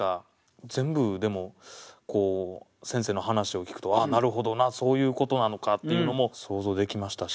全部でも先生の話を聞くとああなるほどなそういうことなのかっていうのも想像できましたし。